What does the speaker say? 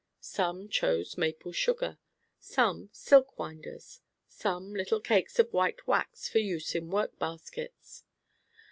Some chose maple sugar, some, silk winders, some, little cakes of white wax for use in work baskets.